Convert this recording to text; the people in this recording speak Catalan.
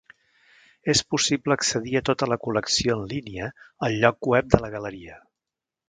És possible accedir a tota la col·lecció en línia al lloc web de la galeria.